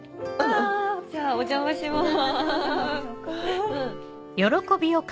じゃあお邪魔します。